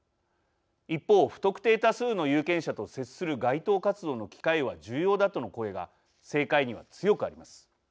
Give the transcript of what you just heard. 一方、不特定多数の有権者と接する街頭活動の機会は重要だとの声が政界には強くあります。